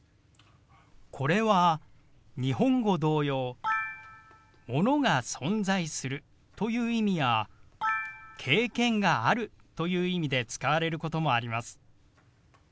これは日本語同様「ものが存在する」という意味や「経験がある」という意味で使われることもあります。